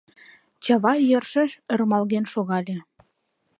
Чавай йӧршеш ӧрмалген шогале.